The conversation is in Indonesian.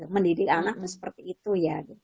mendidik anak seperti itu ya